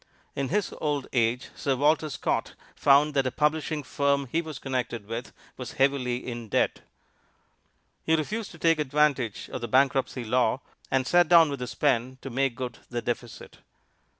In his old age Sir Walter Scott found that a publishing firm he was connected with was heavily in debt. He refused to take advantage of the bankruptcy law, and sat down with his pen to make good the deficit.